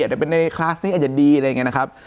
แต่เป็นในคลาสนี้อาจจะดีอะไรอย่างนี้นะครับ